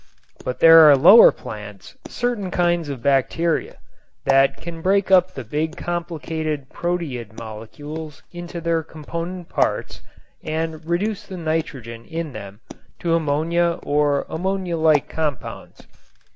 But there are lower plants, certain kinds of bacteria, that can break up the big complicated proteid molecules into their component parts and reduce the nitrogen in them to ammonia or ammonia like compounds.